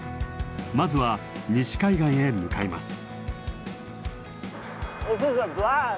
まずは西海岸へ向かいます。